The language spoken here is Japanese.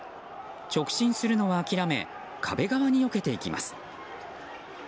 直進するのを諦め壁側によけていきます。